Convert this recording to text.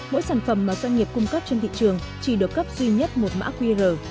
mỗi sản phẩm mà doanh nghiệp cung cấp trên thị trường chỉ được cấp duy nhất một mã qr